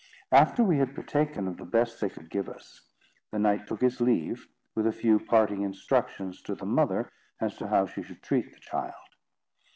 After we had partaken of the best they could give us, the knight took his leave, with a few parting instructions to the mother as to how she should treat the child.